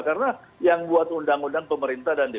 karena yang buat undang undang pemerintah dan judis